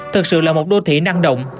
thật sự là một đô thị năng động